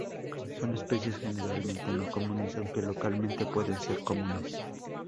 Son especies generalmente no comunes, aunque localmente pueden ser comunes.